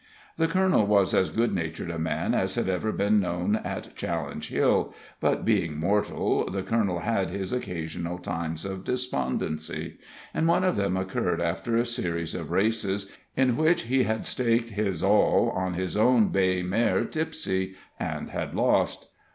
The colonel was as good natured a man as had ever been known at Challenge Hill, but, being mortal, the colonel had his occasional times of despondency, and one of them occurred after a series of races, in which he had staked his all on his own bay mare Tipsie, and had lost.